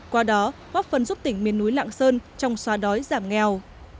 qua đó góp phần giúp tỉnh miền núi lạng sơn trong xóa đói giảm nghèo